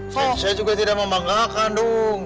saya juga tidak membanggakan dong